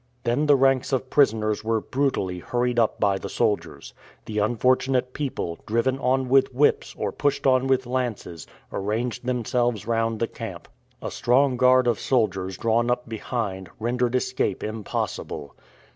Then the ranks of prisoners were brutally hurried up by the soldiers. The unfortunate people, driven on with whips, or pushed on with lances, arranged themselves round the camp. A strong guard of soldiers drawn up behind, rendered escape impossible.